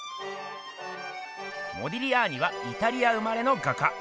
モディリアーニはイタリア生まれの画家。